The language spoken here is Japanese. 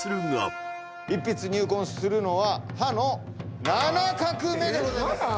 一筆入魂するのは「葉」の７画目でございます。